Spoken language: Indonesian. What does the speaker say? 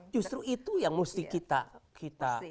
justru itu yang mesti kita